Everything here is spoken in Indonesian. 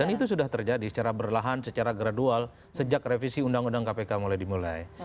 dan itu sudah terjadi secara berlahan secara gradual sejak revisi undang undang kpk mulai dimulai